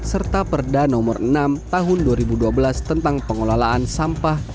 serta perda nomor enam tahun dua ribu dua belas tentang pengelolaan sampah